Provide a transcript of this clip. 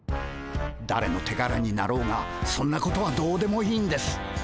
だれの手柄になろうがそんなことはどうでもいいんです。